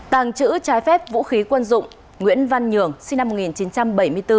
tàng trữ trái phép vũ khí quân dụng nguyễn văn nhường sinh năm một nghìn chín trăm bảy mươi bốn